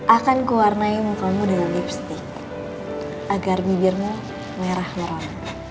akan kuarnai mukamu dengan lipstick agar bibirmu merah merah